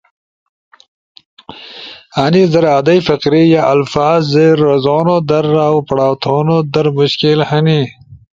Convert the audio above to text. انیز در ادئی فقرے یا الفاظ سی رزون در اؤ پڑاؤ تھون در مشکل ہنی